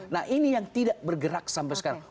nah ini yang tidak bergerak sampai sekarang